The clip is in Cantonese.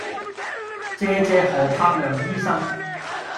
謝謝何栢良醫生